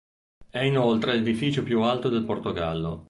È inoltre l'edificio più alto del Portogallo.